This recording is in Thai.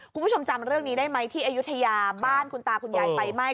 คุณผู้ชมจำเรื่องนี้ได้ไหมที่อายุทยาบ้านคุณตาคุณยายไฟไหม้